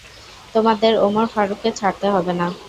তোমাদের ওমর ফারুককে ছাড়তে হবে না।